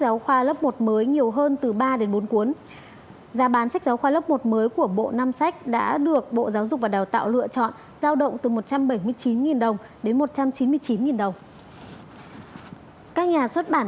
giáo khoa lớp một mới cho con phụ huynh cần nắm rõ bộ sách đầu sách mới cho con các nhà xuất bản